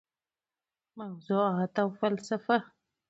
موضوعات او فلسفه: